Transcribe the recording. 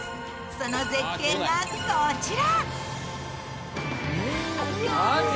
その絶景がこちら。